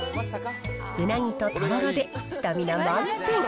うなぎととろろでスタミナ満点。